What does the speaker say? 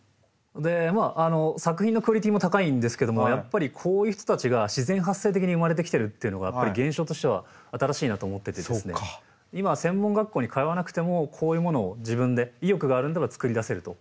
まあ作品のクオリティーも高いんですけどもやっぱりこういう人たちが自然発生的に生まれてきてるっていうのが現象としては新しいなと思ってて今は専門学校に通わなくてもこういうものを自分で意欲があれば作り出せると。